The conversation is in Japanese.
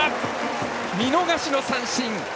見逃しの三振。